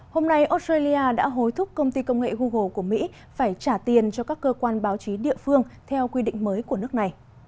hôm nay australia đã hối thúc công ty công nghệ google của mỹ phải trả tiền cho các cơ quan báo chí địa phương theo quy định mới của nước này